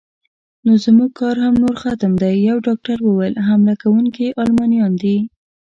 نو زموږ کار هم نور ختم دی، یو ډاکټر وویل: حمله کوونکي المانیان دي.